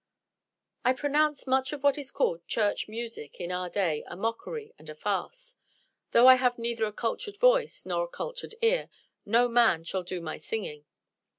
I pronounce much of what is called "church music," in our day, a mockery and a farce. Though I have neither a cultured voice nor a cultured ear, no man shall do my singing.